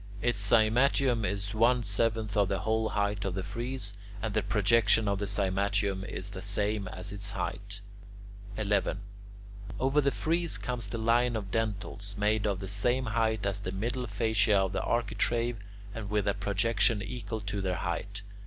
Its cymatium is one seventh of the whole height of the frieze, and the projection of the cymatium is the same as its height. 11. Over the frieze comes the line of dentils, made of the same height as the middle fascia of the architrave and with a projection equal to their height.